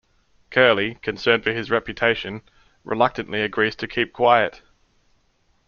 Curley, concerned for his reputation, reluctantly agrees to keep quiet.